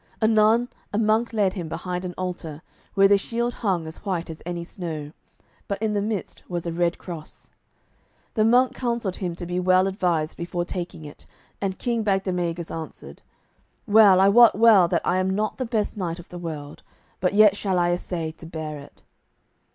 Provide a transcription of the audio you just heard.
Anon a monk led him behind an altar, where the shield hung as white as any snow, but in the midst was a red cross. The monk counselled him to be well advised before taking it, and King Bagdemagus answered: "Well, I wot well that I am not the best knight of the world, but yet shall I assay to bear it."